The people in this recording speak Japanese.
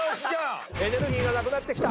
エネルギーがなくなってきた。